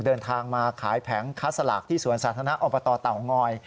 เดินทางมาขายแผงค้าสลากที่สวนสาธารณะอบตเตางอย